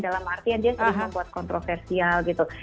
dalam artian dia sering membuat kontroversial gitu